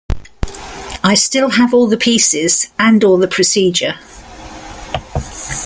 I still have all the pieces, and all the procedure...